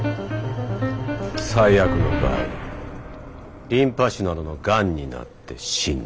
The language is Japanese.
最悪の場合リンパ腫などのがんになって死ぬ。